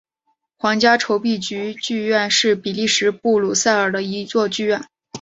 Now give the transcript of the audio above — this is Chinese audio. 皇家铸币局剧院是比利时布鲁塞尔的一座剧院。